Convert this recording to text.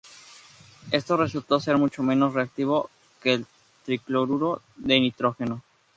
Esto resultó ser mucho menos reactivo que el tricloruro de nitrógeno.